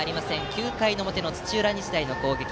９回の表の土浦日大の攻撃。